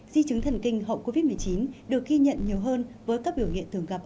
di chứng thần kinh hậu covid một mươi chín được ghi nhận nhiều hơn với các biểu hiện thường gặp